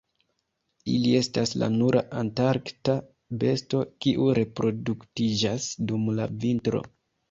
Ili estas la nura antarkta besto kiu reproduktiĝas dum la vintro.